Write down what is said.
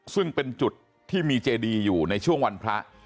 ซึ่งเป็นจุดที่มีเจดีอยู่ในช่วงวันพระ